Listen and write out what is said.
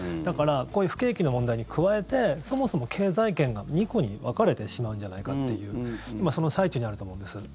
不景気の問題に加えてそもそも経済圏が２個に分かれてしまうんじゃないかという今その最中にあると思うんです。